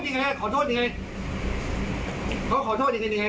ได้เกาะวาดาที่เมื่อสูงต้น